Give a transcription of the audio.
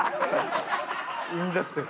◆生み出してる。